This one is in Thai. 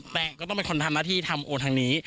แต่ก็ต้องเป็นคนทำหน้าที่ทำโอทางนี้